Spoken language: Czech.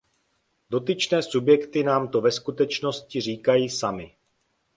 Dotyčné subjekty nám to ve skutečnosti říkají samy.